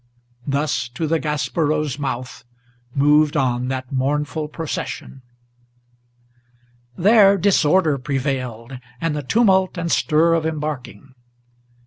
Thus to the Gaspereau's mouth moved on that mournful procession. There disorder prevailed, and the tumult and stir of embarking.